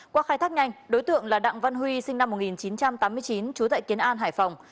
qua khai thác nhanh đối tượng là đặng văn huy sinh năm một nghìn chín trăm tám mươi chín trú tại kiến an hải phòng